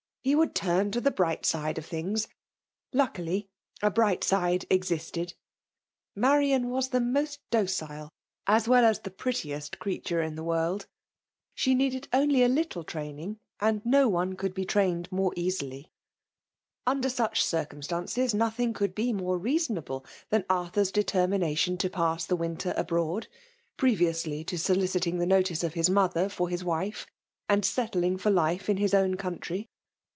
He would turn to the bright side of things ! Lucidly^ a bright side existed. Marian was the most docile FSMAI^S I>OMIKATM>N. 99 * Ircil as the as prettiest ereature m the world : Ae needed only a little training ; and no one could be trained more easily. Under such circumBtances, nothing could be more reasonable ihan Arthur's determination to pass the winter abroad, previously to soliciting the notice of bis mother for hSs wife, and set ffing for life in his own country.